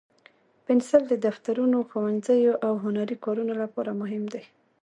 پنسل د دفترونو، ښوونځیو، او هنري کارونو لپاره مهم دی.